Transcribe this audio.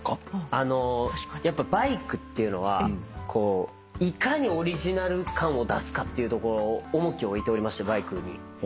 あのやっぱバイクっていうのはこういかにオリジナル感を出すかっていうところ重きを置いておりましてバイクに。